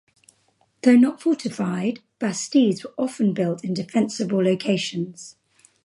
Though not fortified, bastides were often built in defensible locations.